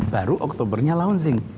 baru oktobernya launching